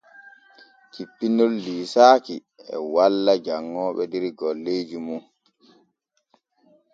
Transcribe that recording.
Jippinol liisaaki e walla janŋooɓe dow golleeji mum.